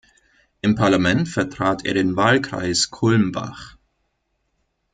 Im Parlament vertrat er den Wahlkreis Kulmbach.